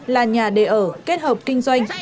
là nhà đề ở kết hợp kinh doanh